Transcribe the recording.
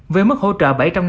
với mức hỗ trợ